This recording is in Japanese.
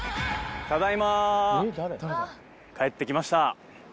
帰ってきました。